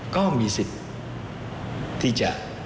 ก็มีสิทธิ์ที่จะ